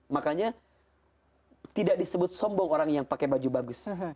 makanya tidak disebut sombong orang yang pakai baju bagus